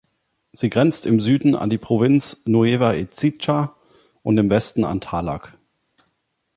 Sie grenzt im Süden an die Provinz Nueva Ecija und im Westen an Tarlac.